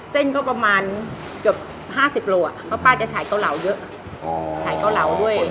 เส้นก็ประมาณเกือบ๕๐กิโลกรัมเพราะป้าจะฉายเก้าเหลาเยอะ